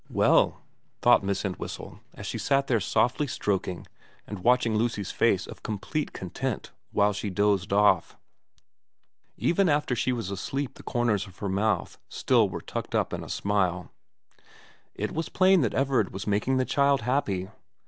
Well, thought Miss Entwhistle as she sat there softly stroking and watching Lucy's face of complete content while she dozed off even after she was asleep the corners of her mouth still were tucked up in a smile it was plain that Everard was making the child happy.